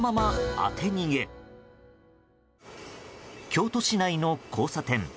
京都市内の交差点。